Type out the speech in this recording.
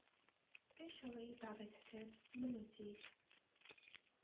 پێش ئەوەی بابەتەکەت بنووسیت